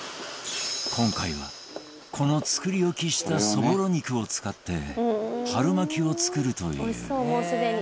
今回は、この作り置きしたそぼろ肉を使って春巻きを作るという藤本：おいしそう、もうすでに。